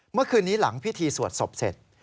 เมื่อคืนนี้หลังพิธีสวดศพเสร็จ